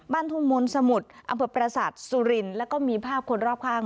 บ้านทูมมลสมุทรอ่ำเผิดปราสาทริกันแล้วก็มีภาพคนรอบคลาง